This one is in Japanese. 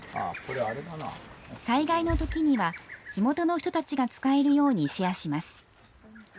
災害のときには、地元の人たちが使えるようにシェアします。